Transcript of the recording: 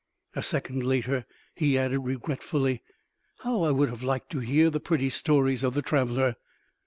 A second later he added regretfully: "How I would have liked to hear the pretty stories of the traveler!"